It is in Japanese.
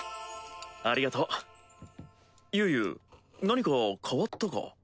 ありがとうユウユ何か変わったか？